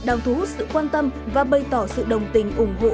đang thu hút sự quan tâm và bày tỏ sự đồng tình ủng hộ